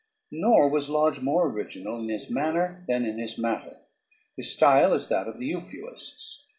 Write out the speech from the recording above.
_ Nor was Lodge more original in his manner than in his matter. His style is that of the euphuists.